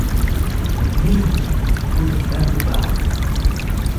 นี่ คุณเห็นนั่นรึเปล่า